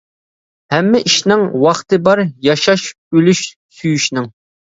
ھەممە ئىشنىڭ ۋاقتى بار، ياشاش، ئۆلۈش، سۆيۈشنىڭ.